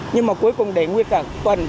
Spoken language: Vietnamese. nhưng mà cuối cùng đẩy nguyên cả tuần